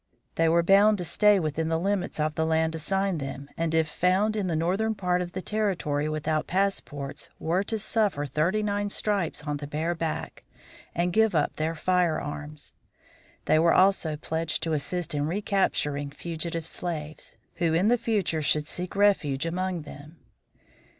They were bound to stay within the limits of the lands assigned them, and if found in the northern part of the territory without passports were to suffer thirty nine stripes on the bare back, and give up their firearms. They were also pledged to assist in recapturing fugitive slaves, who in the future should seek refuge among them.